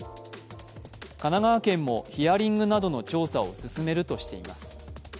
神奈川県もヒアリングなどの調査を進めるとしています。